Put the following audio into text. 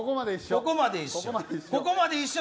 ここまで一緒。